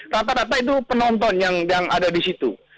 rata rata itu penonton yang ada di situ